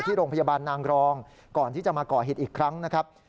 ที่โรงพยาบาลนางรองก่อนที่จะมาก่อเหตุอีกครั้งนะครับ